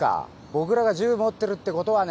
僕らが銃持ってるってことはね。